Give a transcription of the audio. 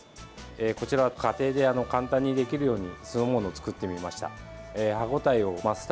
こちらは家庭で簡単にできるように酢の物を作ってみました。